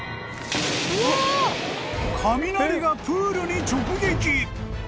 ［雷がプールに直撃］